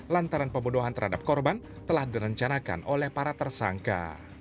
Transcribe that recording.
lantaran pembunuhan terhadap korban telah direncanakan oleh para tersangka